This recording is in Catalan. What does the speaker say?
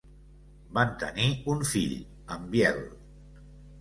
Van tenir un fill, en Biel.